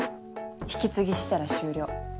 引き継ぎしたら終了。